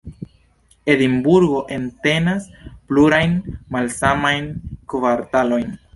Edinburgo entenas plurajn, malsamajn kvartalojn.